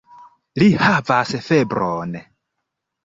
Li havas febron.